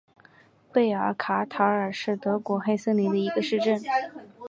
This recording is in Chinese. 贝尔卡塔尔是德国黑森州的一个市镇。